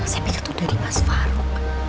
saya pikir itu dari mas fahru